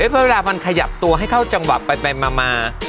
เวลาขยับตัวให้เข้าจังหวะไปมามา